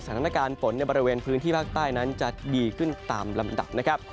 สถานการณ์ฝนในบริเวณพื้นที่ภาคใต้นั้นจะดีขึ้นตามลำดับนะครับ